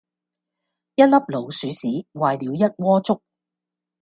一粒老鼠屎，壞了一鍋粥